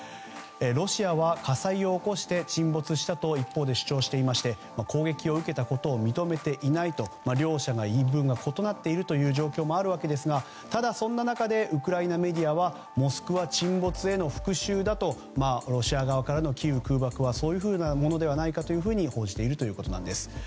ロシアは火災を起こして沈没したと一方で主張していまして攻撃を受けたことを認めていないと両者の言い分が異なっているという状況もあるわけですがただ、そんな中でウクライナメディアは「モスクワ」沈没への復讐だとロシア側からのキーウ空爆はそういうふうなものではないかと報じているということです。